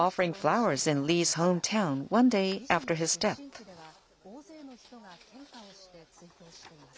李氏の出身地では、大勢の人が献花をして追悼しています。